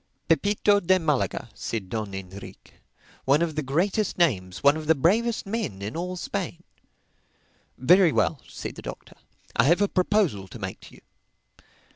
"Pepito de Malaga," said Don Enrique, "one of the greatest names, one of the bravest men, in all Spain." "Very well," said the Doctor, "I have a proposal to make to you.